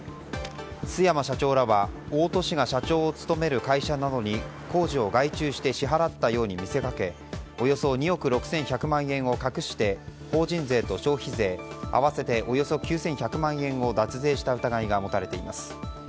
須山社長らは大戸氏が社長を務める会社などに工事を外注して支払ったように見せかけおよそ２億６１００万円を隠して法人税と消費税合わせておよそ９１００万円を脱税した疑いが持たれています。